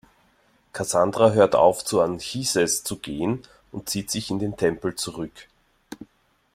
Kassandra hört auf, zu Anchises zu gehen, und zieht sich in den Tempel zurück.